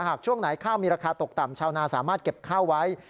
ช่วงไหนข้าวมีราคาตกต่ำชาวนาสามารถเก็บข้าวไว้